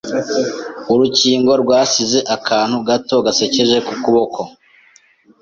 Urukingo rwasize akantu gato gasekeje ku kuboko.